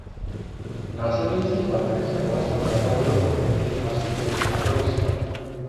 V následujících letech se Boleslav zapojil do politiky části Pruska a Ruska.